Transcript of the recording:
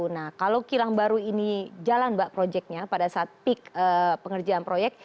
nah kalau kilang baru ini jalan mbak projectnya pada saat peak pengerjaan proyek